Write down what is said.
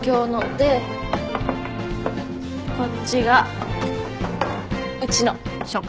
でこっちがうちの。